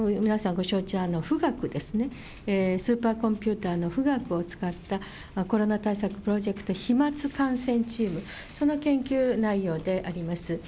ご承知、富岳ですね、スーパーコンピューターの富岳を使った、コロナ対策プロジェクト、飛まつ感染チーム、その研究内容であります。